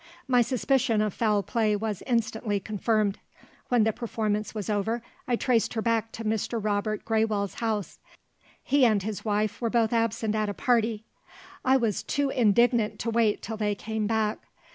My suspicion of foul play was instantly confirmed. When the performance was over, I traced her back to Mr. Robert Graywell's house. He and his wife were both absent at a party. I was too indignant to wait till they came back.